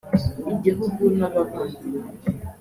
igihugu n’abavandimwe